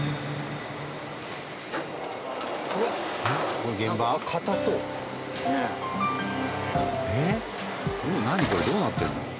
これどうなってんの？